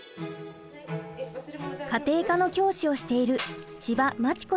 家庭科の教師をしている千葉眞知子さんです。